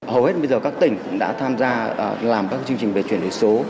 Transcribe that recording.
hầu hết bây giờ các tỉnh cũng đã tham gia làm các chương trình về chuyển đổi số